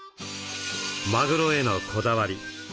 マグロへのこだわり。